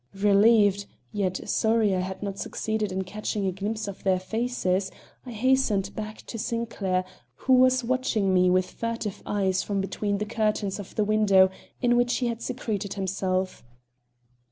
Relieved, yet sorry that I had not succeeded in catching a glimpse of their faces, I hastened back to Sinclair, who was watching me with furtive eyes from between the curtains of the window in which he had secreted himself.